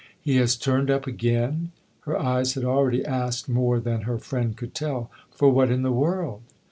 " He has turned up again ?" Her eyes had already asked more than her friend could tell. " For what in the world